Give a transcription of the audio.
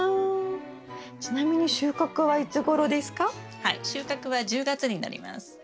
はい収穫は１０月になります。